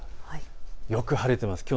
よく晴れていますよね。